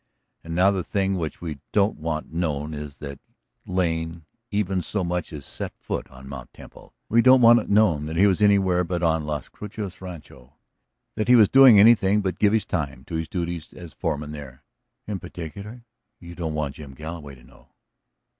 And now the thing which we don't want known is that Lane even so much as set foot on Mt. Temple. We don't want it known that he was anywhere but on Las Cruces Rancho; that he was doing anything but give his time to his duties as foreman there." "In particular you don't want Jim Galloway to know?"